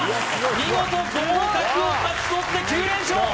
見事合格を勝ち取って９連勝